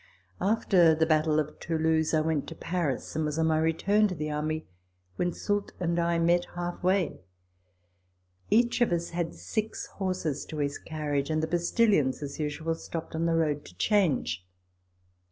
] After the battle of Toulouse* I went to Paris, and was on my return to the army when Soult and I met half way. Each of us had six horses to his carriage, and the postillions, as usual, stopped on the road to change.